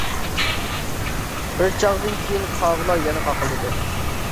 بىر چاغدىن كىيىن قاغىلار يەنە قاقىلدىدى.